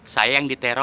saya yang diterima